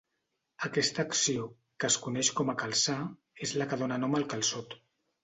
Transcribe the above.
Aquesta acció, que es coneix com a calçar, és la que dóna nom al calçot.